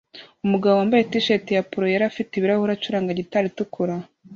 Umugabo wambaye t-shirt ya polo yera afite ibirahure acuranga gitari itukura